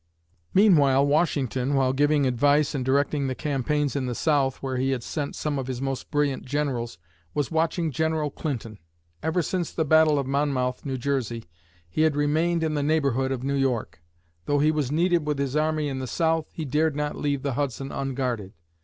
Meanwhile Washington, while giving advice and directing the campaigns in the South, where he had sent some of his most brilliant generals, was watching General Clinton. Ever since the Battle of Monmouth (N. J.), he had remained in the neighborhood of New York. Though he was needed with his army in the South, he dared not leave the Hudson unguarded.